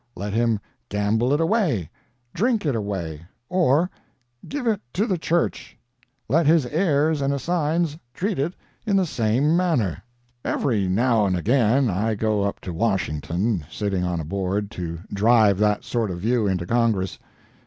Let him gamble it away, drink it away, or—give it to the church. Let his heirs and assigns treat it in the same manner. "Every now and again I go up to Washington, sitting on a board to drive that sort of view into Congress.